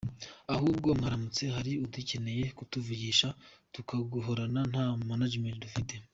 Ahubwo haramutse hari udukeneye yatuvugisha tugakorana nta management dufite.